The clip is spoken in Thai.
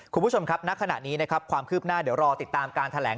คุณผู้ชมครับณขณะนี้นะครับความคืบหน้าเดี๋ยวรอติดตามการแถลง